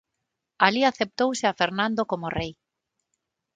Alí aceptouse a Fernando como rei.